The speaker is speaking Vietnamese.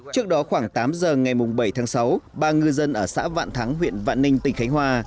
trước đó khoảng tám giờ ngày bảy tháng sáu ba ngư dân ở xã vạn thắng huyện vạn ninh tỉnh khánh hòa